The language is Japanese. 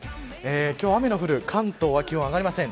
今日は雨の降る関東は気温が上がりません。